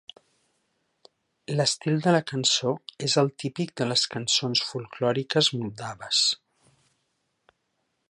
L'estil de la cançó és el típic de les cançons folklòriques moldaves.